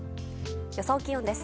予想気温です。